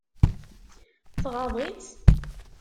Tɣaḍ-itt?